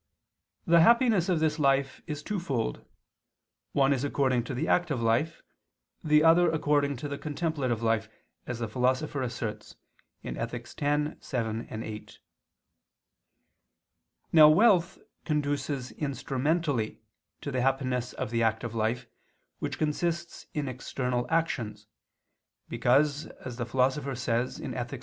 The happiness of this life is twofold, one is according to the active life, the other according to the contemplative life, as the Philosopher asserts (Ethic. x, 7, 8). Now wealth conduces instrumentally to the happiness of the active life which consists in external actions, because as the Philosopher says (Ethic.